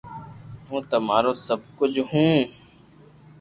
ھون تمارو سب ڪجھ ھون